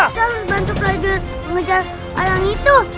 kita membantu prajurit mengejar orang itu